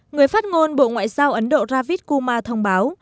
người phát ngôn bộ ngoại giao ấn độ ravit kumar thông báo